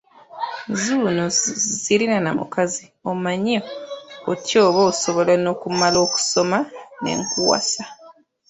Nzuuno sirina na mukazi, omanyi otya oba osobola n'okumala okusoma ne nkuwasa?